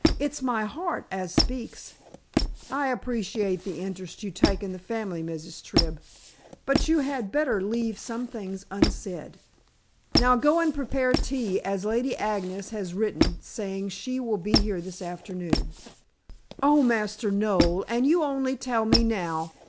It's my heart as speaks." "I appreciate the interest you take in the family, Mrs. Tribb, but you had better leave some things unsaid. Now, go and prepare tea, as Lady Agnes has written saying she will be here this afternoon." "Oh, Master Noel, and you only tell me now.